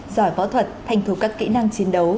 giỏi phẫu thuật thành thủ các kỹ năng chiến đấu